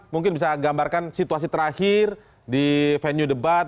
mungkin bisa gambarkan situasi terakhir di venue debat